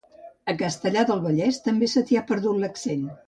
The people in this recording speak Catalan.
A Castellar del Vallès també se t'hi ha perdut l'accent